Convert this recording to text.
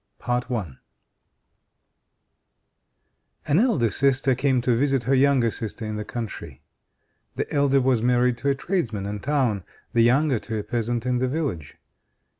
I An elder sister came to visit her younger sister in the country. The elder was married to a tradesman in town, the younger to a peasant in the village.